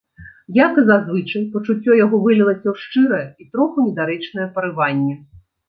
Як і зазвычай, пачуццё яго вылілася ў шчырае і троху недарэчнае парыванне.